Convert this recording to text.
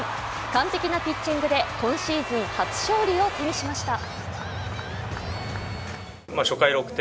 完璧なピッチングで今シーズン初勝利を手にしました。